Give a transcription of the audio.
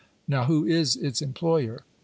Now who is its employer ?